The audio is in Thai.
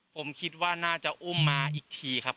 ผมคิดว่าน่าจะอุ้มมาอีกทีครับ